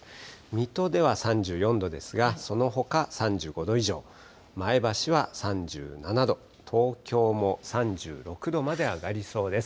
水戸では３４度ですが、そのほか３５度以上、前橋は３７度、東京も３６度まで上がりそうです。